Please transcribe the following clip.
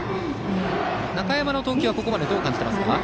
中山の投球はどう感じていますか。